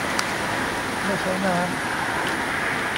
ไม่ใช้น้ำ